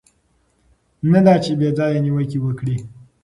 نه دا چې بې ځایه نیوکې وکړي.